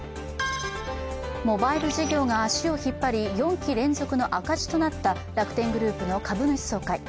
モバイル事業が足を引っ張り４期連続の赤字となった楽天グループの株主総会。